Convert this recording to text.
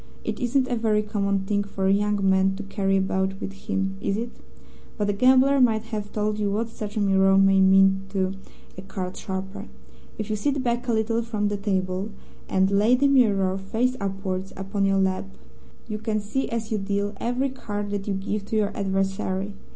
It isn't a very common thing for a young man to carry about with him, is it? But a gambler might have told you what such a mirror may mean to a card sharper. If you sit back a little from the table, and lay the mirror, face upwards, upon your lap, you can see, as you deal, every card that you give to your adversary.